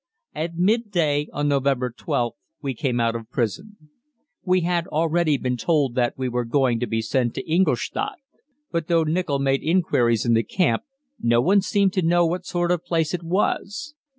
At midday on November 12th we came out of prison. We had already been told that we were going to be sent to Ingolstadt; but, though Nichol made inquiries in the camp, no one seemed to know what sort of place it was.